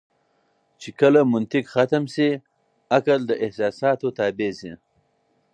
چې کله منطق ختم شي عقل د احساساتو تابع شي.